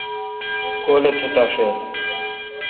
کول اہ۔ تتاشیل